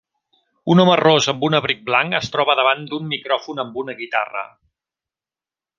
Un home ros amb un abric blanc es troba davant d'un micròfon amb una guitarra.